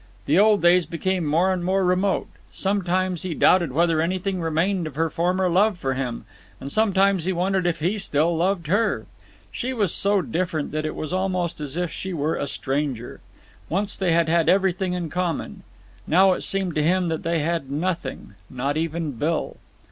The old days became more and more remote. Sometimes he doubted whether anything remained of her former love for him, and sometimes he wondered if he still loved her. She was so different that it was almost as if she were a stranger. Once they had had everything in common. Now it seemed to him that they had nothing—not even Bill.